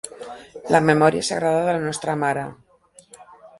La memòria sagrada de la nostra mare.